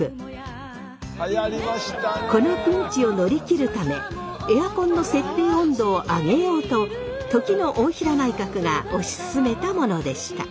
このピンチを乗り切るためエアコンの設定温度を上げようと時の大平内閣が推し進めたものでした。